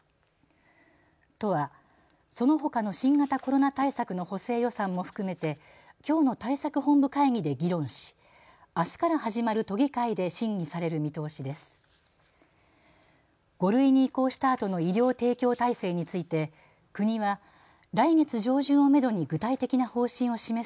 都はそのほかの新型コロナ対策の補正予算も含めてきょうの対策本部会議で議論しあすから始まる都議会で審議される見通しです。